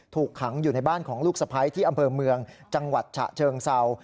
ถูกขังอยู่ในบ้านของลูกสะพ้ายที่อำเภอเมืองจังหวัดฉะเชิงเศร้า